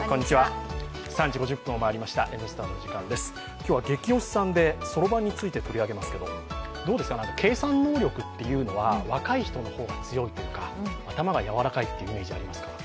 今日は「ゲキ推しさん」でそろばんについて取り上げますけどどうですか、計算能力というのは若い人の方が強いというか頭が柔らかいって言うじゃないですか。